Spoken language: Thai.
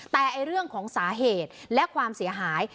แต่เรื่องของสาเหตุและความเสียหาย